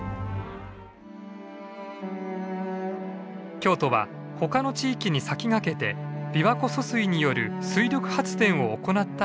京都は他の地域に先駆けて琵琶湖疎水による水力発電を行った町でもあります。